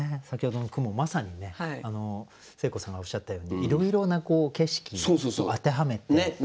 先ほどの句もまさにねせいこうさんがおっしゃったようにいろいろな景色を当てはめて。ね？